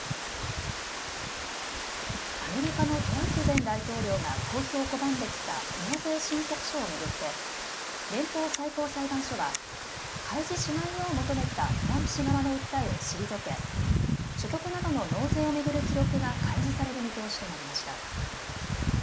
アメリカのトランプ前大統領が公表を拒んできた納税申告書を巡って連邦最高裁判所は開示しないよう求めたトランプ氏側の訴えを退け所得などの納税を巡る記録が開示される見通しとなりました。